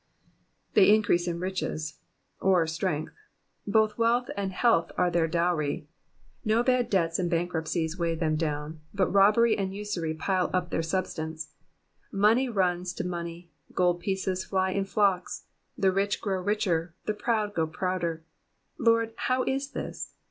^''ITiey increase in riches ;^^ or, strength. Both wealth and health are their dowry. No bad debts and bankruptcies weigh them down, but lobbery and usury pile up their substance. Money runs to money, gold pieces fly in flocks ; the rich grow richer, the proud grow prouder. Lord, how is this?